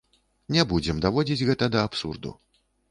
Не будзем даводзіць гэта да абсурду.